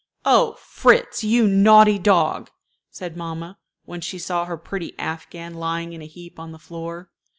"Oh, Fritz, you naughty dog!" said mamma, when she saw her pretty afghan lying in a heap on the floor.